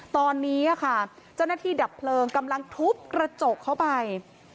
ตอนนี้ค่ะเจ้าหน้าที่ดับเพลิงกำลังทุบกระจกเข้าไป